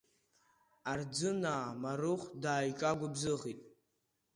Арӡына Марыхә дааиҿагәыбзыӷит.